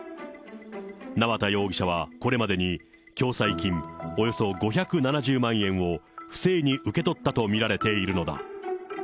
縄田容疑者はこれまでに共済金およそ５７０万円を不正に受け取ったと見られているのだ。